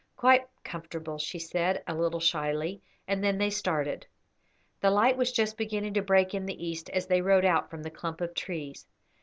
"Quite comfortable," she said, a little shyly, and then they started. The light was just beginning to break in the east as they rode out from the clump of trees.